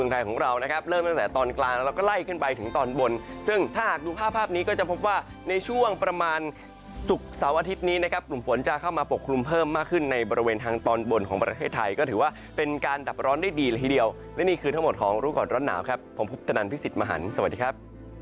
ทางตอนบ่นของประเทศไทยก็ถือว่าเป็นการดับร้อนได้ดีละทีเดียวและนี่คือทั้งหมดของรู้ก่อนร้อนหนาวครับผมพุทธนันทร์พี่สิทธิ์มหันสวัสดีครับ